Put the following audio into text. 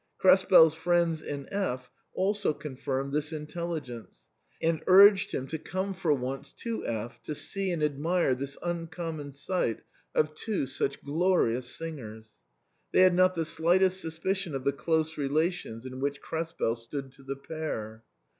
Krespel's friends in F also confirmed this intelligence, and urged him to come for once to F to see and admire this un common sight of two such glorious singers. They had hot the slightest suspicion of the close relations in which Krespel stood to the pair.